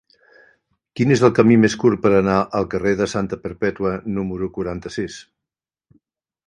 Quin és el camí més curt per anar al carrer de Santa Perpètua número quaranta-sis?